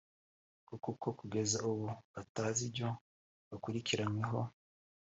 ngo kuko kugeza ubu batazi ibyo bakurikiranyweho